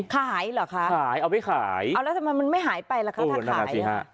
ขายเหรอคะขายเอาไว้ขายเอาแล้วทำไมมันไม่หายไปหรอคะถ้าขายอืมนั่นแหละสิฮะ